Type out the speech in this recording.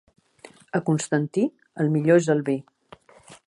A Constantí el millor és el vi.